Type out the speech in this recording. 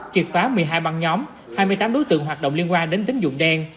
triệt phá một mươi hai băng nhóm hai mươi tám đối tượng hoạt động liên quan đến tính dụng đen